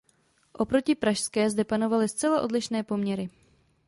Oproti pražské zde panovaly zcela odlišné poměry.